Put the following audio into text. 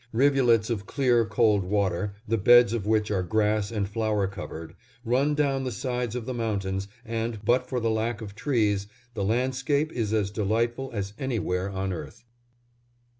Rivulets of clear, cold water, the beds of which are grass and flower covered, run down the sides of the mountains and, but for the lack of trees, the landscape is as delightful as anywhere on earth.